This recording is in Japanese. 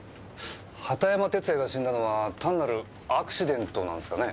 畑山哲弥が死んだのは単なるアクシデントなんですかね？